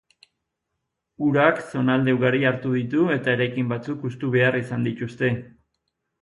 Urak zonalde ugari hartu ditu, eta eraikin batzuk hustu behar izan dituzte.